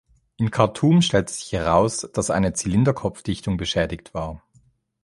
In Khartum stellte sich heraus, dass eine Zylinderkopfdichtung beschädigt war.